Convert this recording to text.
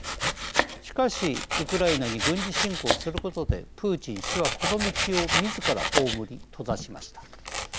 しかしウクライナに軍事侵攻することでプーチン氏はこの道をみずから葬り閉ざしました。